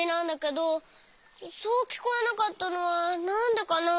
そうきこえなかったのはなんでかな？